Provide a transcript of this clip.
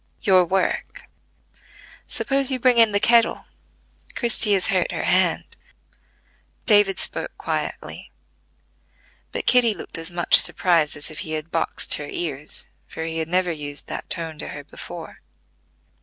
"Your work. Suppose you bring in the kettle: Christie has hurt her hand." David spoke quietly; but Kitty looked as much surprised as if he had boxed her ears, for he had never used that tone to her before.